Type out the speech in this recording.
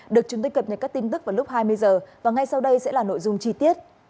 được chúng tôi cập nhật các tin tức vào lúc hai mươi h và ngay sau đây sẽ là nội dung chi tiết